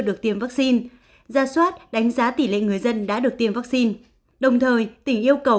được tiêm vaccine ra soát đánh giá tỷ lệ người dân đã được tiêm vaccine đồng thời tỉnh yêu cầu